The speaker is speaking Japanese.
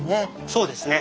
そうですね。